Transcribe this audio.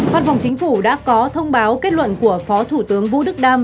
phát vòng chính phủ đã có thông báo kết luận của phó thủ tướng vũ đức đam